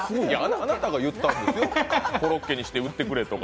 あなたが言ったんですよね、コロッケにして売ってくれとか。